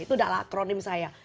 itu adalah akronim saya